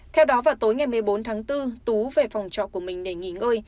theo đó vào tối ngày một mươi bốn tháng bốn tú về phòng trọ của mình để nghỉ ngơi